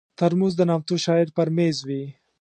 ترموز د نامتو شاعر پر مېز وي.